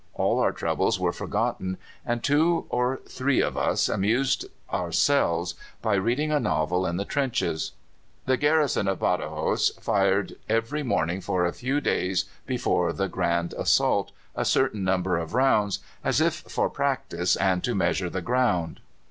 All our troubles were forgotten, and two or three of us amused ourselves by reading a novel in the trenches." The garrison of Badajos fired every morning for a few days before the grand assault a certain number of rounds, as if for practice and to measure the ground.